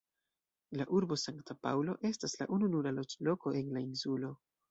La urbo Sankta Paŭlo estas la ununura loĝloko en la insulo.